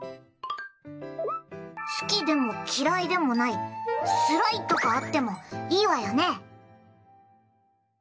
「すき」でも「きらい」でもない「すらい」とかあってもいいわよねー。